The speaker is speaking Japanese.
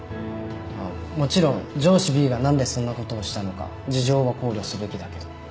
あっもちろん上司Ｂが何でそんなことをしたのか事情は考慮すべきだけど。